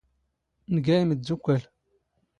ⵏⴳⴰ ⵉⵎⴷⴷⵓⴽⴽⴰⵍ.